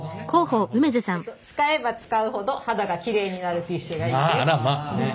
使えば使うほど肌がきれいになるティッシュがいいです。